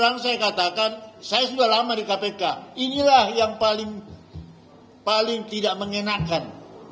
yang saya katakan saya sudah lama di kpk inilah yang paling tidak mengenakan